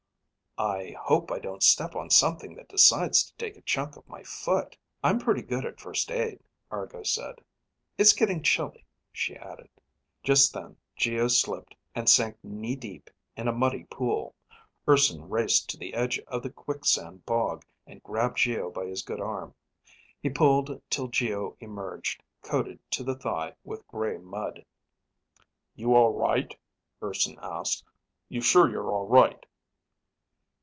"I hope I don't step on something that decides to take a chunk out of my foot." "I'm pretty good at first aid," Argo said. "It's getting chilly," she added. Just then Geo slipped and sank knee deep in a muddy pool. Urson raced to the edge of the quicksand bog and grabbed Geo by his good arm. He pulled till Geo emerged, coated to the thigh with gray mud. "You all right?" Urson asked. "You sure you're all right?"